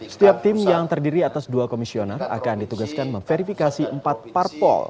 setiap tim yang terdiri atas dua komisioner akan ditugaskan memverifikasi empat parpol